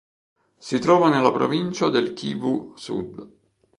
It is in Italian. Si trova nella Provincia del Kivu Sud.